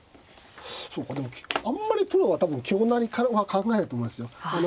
そうかでもあんまりプロは多分香成りからは考えないと思いますよ。